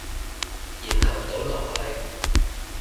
然後倒落去